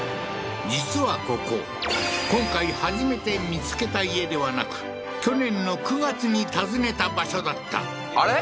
実はここ今回初めて見つけた家ではなく去年の９月に訪ねた場所だったあれ？